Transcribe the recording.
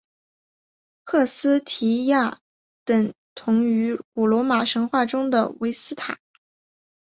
赫斯提亚等同于罗马神话中的维斯塔。